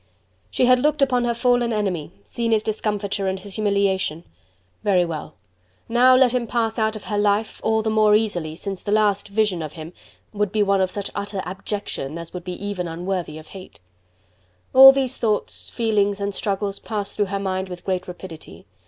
She had looked upon her fallen enemy, seen his discomfiture and his humiliation! Very well! Now let him pass out of her life, all the more easily, since the last vision of him would be one of such utter abjection as would even be unworthy of hate. All these thoughts, feelings and struggles passed through her mind with great rapidity.